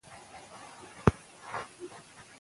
مادي ژبه ستړیا نه زیاتوي.